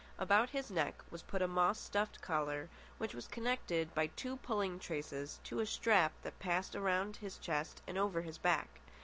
About his neck was put a moss stuffed collar, which was connected by two pulling traces to a strap that passed around his chest and over his back.